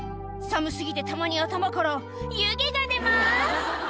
寒過ぎてたまに頭から湯気が出ます